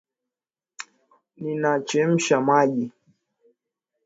Ninachemsha maji.